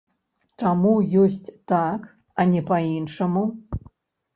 Чаму ёсць так, а не па-іншаму?